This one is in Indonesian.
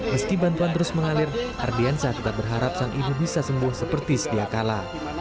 meski bantuan terus mengalir ardiansa tetap berharap sang ibu bisa sembuh seperti sedia kala